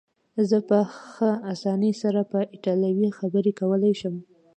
زه په ښه اسانۍ سره په ایټالوي خبرې کولای شم.